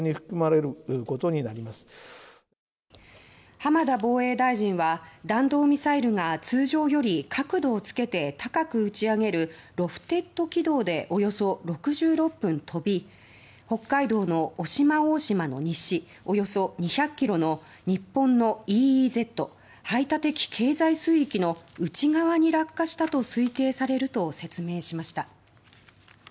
浜田防衛大臣は弾道ミサイルが通常より角度をつけて高く打ち上げるロフテッド軌道でおよそ６６分飛び北海道の渡島大島の西およそ２００ｋｍの日本のＥＥＺ・排他的経済水域の内側に落下したと推定されると説明しました。